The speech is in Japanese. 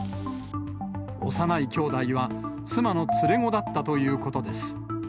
幼い兄弟は妻の連れ子だったということです。